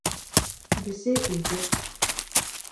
Бесәй үлде.